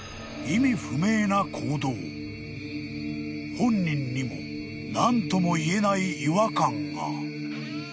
［本人にも何ともいえない違和感が］